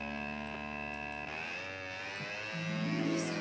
お義兄さん